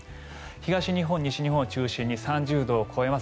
東日本、西日本を中心に３０度を超えます。